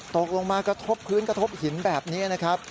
ตกลงมากระทบพื้นกระทบหินแบบนี้นะครับ